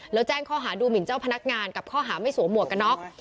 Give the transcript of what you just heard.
แล้วแจ้งข้อหาดูหมินเจ้าพนักงานกับข้อหาไม่สวมหมวกกันน็อก